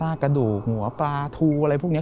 กระดูกหัวปลาทูอะไรพวกนี้